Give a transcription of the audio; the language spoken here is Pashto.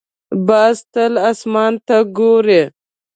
باز تل اسمان ته ګوري